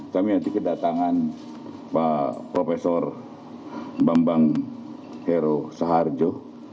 kami nanti kedatangan pak profesor bambang hero saharjo